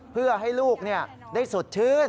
เพื่อให้ลูกได้สดชื่น